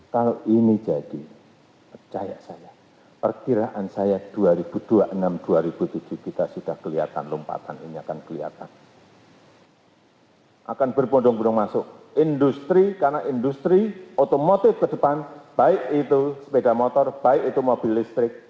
karena industri otomotif ke depan baik itu sepeda motor baik itu mobil listrik